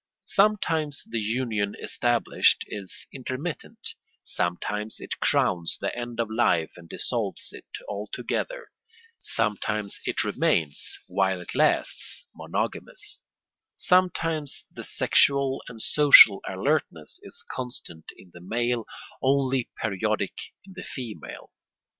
Sometimes the union established is intermittent; sometimes it crowns the end of life and dissolves it altogether; sometimes it remains, while it lasts, monogamous; sometimes the sexual and social alertness is constant in the male, only periodic in the female.